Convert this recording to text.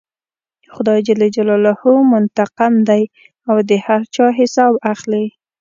خدای جل جلاله منتقم دی او د هر چا حساب اخلي.